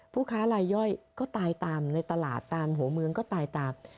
ผู้ค้าลายย่อยก็ตายตามในตลาดตามหัวเมืองก็ตายตาม